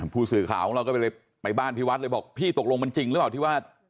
ผู้สื่อข่าวของเราก็เลยไปบ้านที่วัดเลยบอกพี่ตกลงมันจริงหรือเปล่าที่ว่า